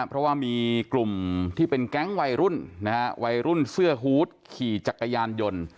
เพราะว่ามีกลุ่มที่เป็นแก๊งวัยรุ่นนะฮะวัยรุ่นวัยรุ่นเสื้อฮูตขี่จักรยานยนต์